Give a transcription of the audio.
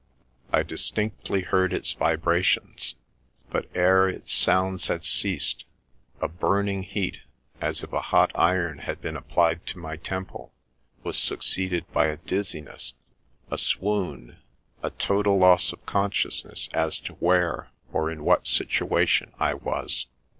I distinctly heard its vibrations, but ere its sounds had ceased, a burning heat, as if a hot iron had been applied to my temple, was succeeded by a dizziness, — a swoon, — a total loss of consciousness as to where or hi what situation I was.